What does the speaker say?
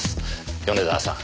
米沢さん